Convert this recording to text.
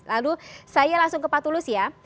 lalu saya langsung ke pak tulus ya